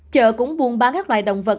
chợ cũng buôn bán các loại động vật